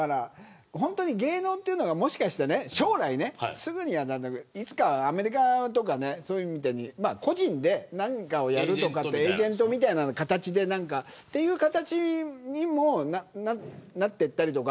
芸能というのが、もしかして将来いつかアメリカとかそういうところみたいに個人で何かをやるとかエージェントみたいな形でというふうになっていったりとか。